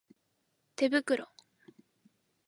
手袋